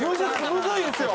ムズいんですよ！